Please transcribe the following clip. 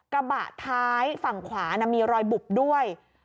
กระบะท้ายฝั่งขวามีรอยบุบด้วย